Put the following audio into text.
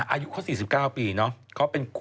ปลาหมึกแท้เต่าทองอร่อยทั้งชนิดเส้นบดเต็มตัว